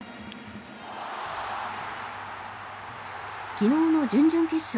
昨日の準々決勝